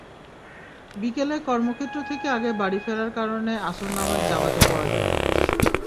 বিকেলে কর্মক্ষেত্র থেকে আগে বাড়ি ফেরার কারণে আসর নামাজ জামাতে পড়া যায়।